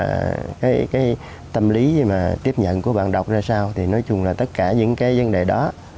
nói chung là cái tâm lý gì mà tiếp nhận của bạn đọc ra sao thì nói chung là tất cả những cái vấn đề đó